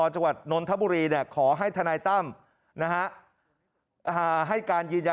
จังหวัดนนทบุรีขอให้ทนายตั้มให้การยืนยัน